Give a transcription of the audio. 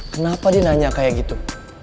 kenapa dia nanya kayak gitu